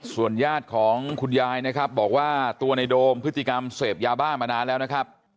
ส่วนญาติของคุณยายนะครับบอกว่าตัวในโดมพฤติกรรมเสพยาบ้ามานานแล้วนะครับ